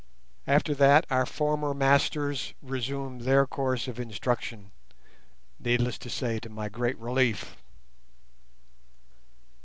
After that our former masters resumed their course of instruction, needless to say to my great relief.